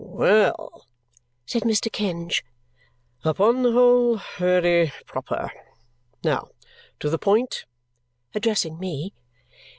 "Well!" said Mr. Kenge. "Upon the whole, very proper. Now to the point," addressing me.